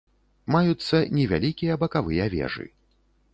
Маюцца невялікія бакавыя вежы.